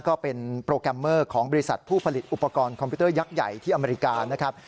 ก็เป็นโปรแกรมเมอร์ของบริษัทผู้ผลิตอุปกรณ์คอมพิวเตอร์ยักษ์ใหญ่ที่อเมริกานะครับ